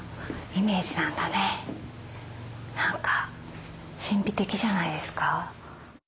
何か神秘的じゃないですか。